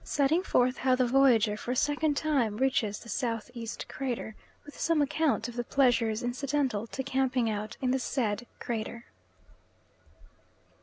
Setting forth how the Voyager for a second time reaches the S.E. crater, with some account of the pleasures incidental to camping out in the said crater.